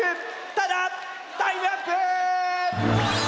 ただタイムアップ！